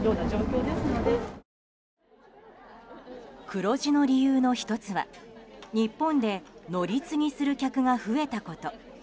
黒字の理由の１つは日本で乗り継ぎする客が増えたこと。